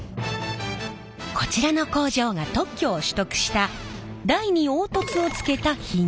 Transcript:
こちらの工場が特許を取得した台に凹凸をつけたヒゲ台。